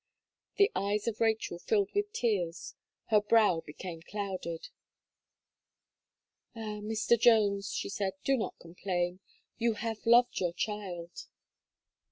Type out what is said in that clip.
The eyes of Rachel filled with tears; her brow became clouded. "Ah! Mr. Jones," she said, "do not complain; you have loved your child."